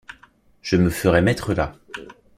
Je me ferai mettre là.